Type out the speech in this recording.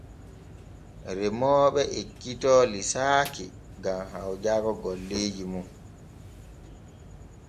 Remooɓe ekkito liisaaki gam hawjaago golleeji maɓɓe.